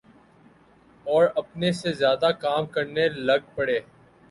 اوراپنے سے زیادہ کام کرنے لگ پڑیں۔